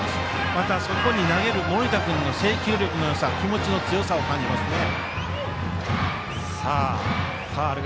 また、そこに投げる盛田君の制球力のよさと気持ちの強さを感じますね。